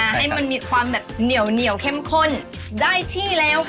ให้มันมีความแบบเหนียวเข้มข้นได้ที่แล้วค่ะ